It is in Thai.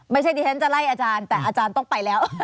ไม่ใช่ดิฉันจะไล่อาจารย์แต่อาจารย์ต้องไปแล้ว